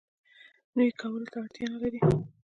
نوی کولو اړتیا نه لري.